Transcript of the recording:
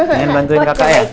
pengen bantuin kakak ya